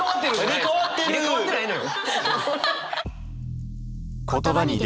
入れ替わってないのよ。